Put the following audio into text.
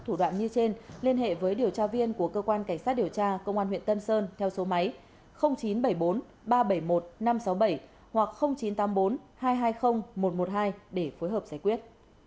thủ đoạn như trên liên hệ với điều tra viên của cơ quan cảnh sát điều tra công an huyện tân sơn theo số máy chín trăm bảy mươi bốn ba trăm bảy mươi một năm trăm sáu mươi bảy hoặc chín trăm tám mươi bốn hai trăm hai mươi một trăm một mươi hai để phối hợp giải quyết